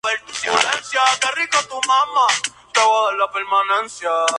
Pero en ninguna de las publicaciones referidas al Parque, se los mencionan.